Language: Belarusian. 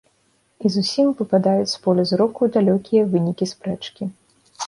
І зусім выпадаюць з поля зроку далёкія вынікі спрэчкі.